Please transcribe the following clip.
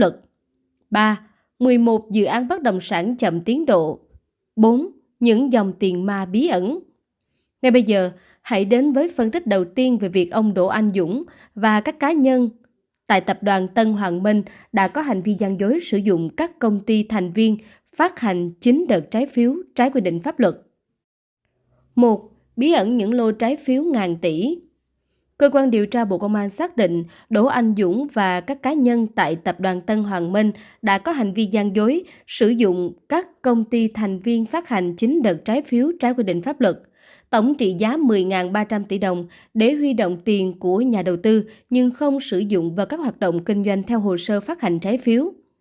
cơ quan điều tra bộ công an xác định đỗ anh dũng và các cá nhân tại tập đoàn tân hoàng minh đã có hành vi gian dối sử dụng các công ty thành viên phát hành chính đợt trái phiếu trái quy định pháp luật tổng trị giá một mươi ba trăm linh tỷ đồng để huy động tiền của nhà đầu tư nhưng không sử dụng vào các hoạt động kinh doanh theo hồ sơ phát hành trái phiếu